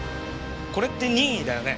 これって任意だよね？